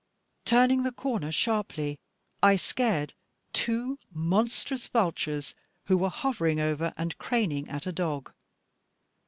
Turning the corner sharply I scared two monstrous vultures, who were hovering over and craning at a dog.